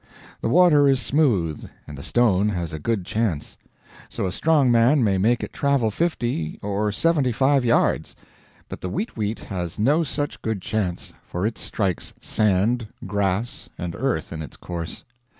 The water is smooth, and the stone has a good chance; so a strong man may make it travel fifty or seventy five yards; but the weet weet has no such good chance, for it strikes sand, grass, and earth in its course.